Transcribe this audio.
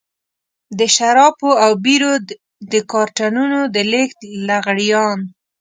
د شرابو او بيرو د کارټنونو د لېږد لغړيان.